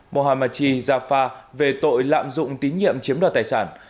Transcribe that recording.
mohamadji jaffa về tội lạm dụng tín nhiệm chiếm đoạt tài sản